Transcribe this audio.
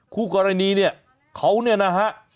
คู่กรณีเนี่ยเขาเนี่ยนะฮะ